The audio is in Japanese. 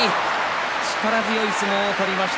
力強い相撲を取りました